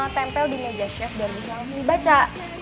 tempel di meja chef biar bisa langsung dibaca